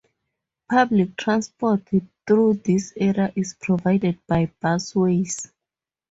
Public transport through this area is provided by Busways.